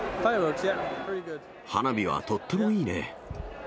花火はとってもいいね。